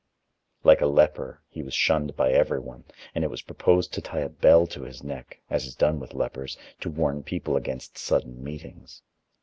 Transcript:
Like a leper he was shunned by everyone, and it was proposed to tie a bell to his neck, as is done with lepers, to warn people against sudden meetings.